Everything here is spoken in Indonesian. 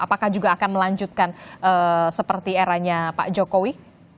apakah juga akan melanjutkan seperti eranya pak jokowi